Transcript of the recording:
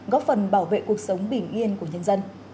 góp phần bảo vệ cuộc sống bình yên của nhân dân